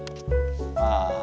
ああ。